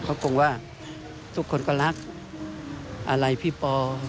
เขาคงว่าทุกคนก็รักอะไรพี่ปอ